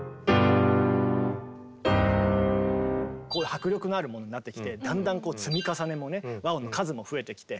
迫力のあるものになってきてだんだん積み重ねも和音の数も増えてきて。